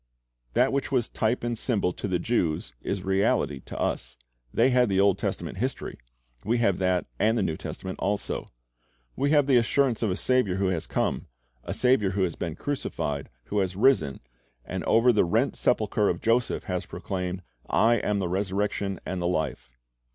That which was type and symbol to the Jews is reality to us. They had the Old Testament histoiy; we have that and the New Testament also. We have the assurance of a Saviour who has come, a Saviour who has been crucified, who has risen, and over the rent sepulcher of Joseph has proclaimed, "I am the resurrection and the life."